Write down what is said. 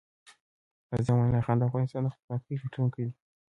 غازي امان الله خان دافغانستان دخپلواکۍ ګټونکی وه